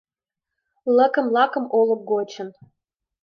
Лыкым-лакым олык гочын